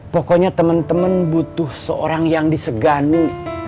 pokoknya teman teman butuh seorang yang disegani